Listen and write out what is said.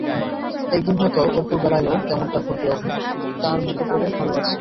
একদিন হয়তো অপুর বেলায়ও তেমনটা ঘটবে অপু, তাঁর মতো করে ভালো আছে।